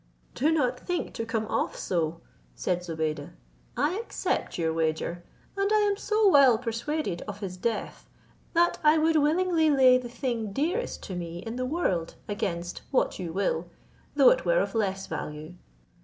"Do not think to come off so," said Zobeide; "I accept your wager, and I am so well persuaded of his death, that I would willingly lay the thing dearest to me in the world against what you will, though it were of less value.